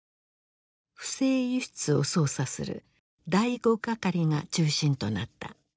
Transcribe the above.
不正輸出を捜査する第五係が中心となった。